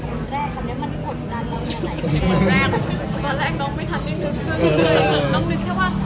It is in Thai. ตอนแรกน้องไม่ทันอย่างเห็นเพิ่มเลยน้องนึกแค่ว่า